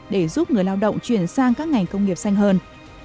để giúp người lao động chuyển sang các ngành công nghiệp xanh hơn